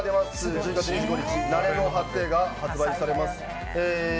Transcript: １０月２５日「なれのはて」が発売されます。